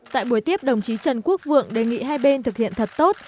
tại buổi tiếp đồng chí trần quốc vượng đề nghị hai bên thực hiện thật tốt